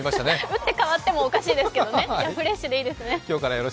打って変わってもおかしいですけどねいや、フレッシュでいいですね。